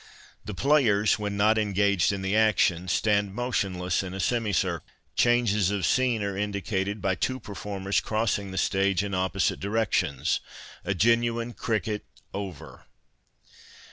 The players, when not engaged in the action, stand motionless in a semi circle. Changes of scene are indicated by two performers crossing the stage in opposite directions — a genuine cricket " over."